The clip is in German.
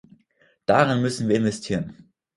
Darin müssen wir investieren.